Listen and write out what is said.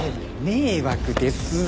迷惑です。